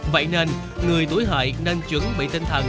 vậy nên người tuổi hợi nên chuẩn bị tinh thần